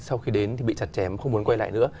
sau khi đến thì bị chặt chém không muốn quay lại nữa